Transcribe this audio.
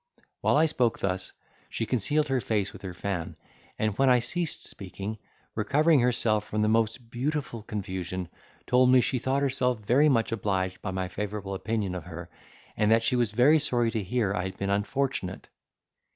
While I spoke thus, she concealed her face with her fan, and when I ceased speaking, recovering herself from the most beautiful confusion, told me she thought herself very much obliged by my favourable opinion of her, and that she was very sorry to hear I had been unfortunate.